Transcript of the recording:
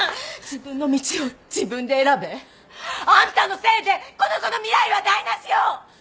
自分の道を自分で選べ？あんたのせいでこの子の未来は台無しよ！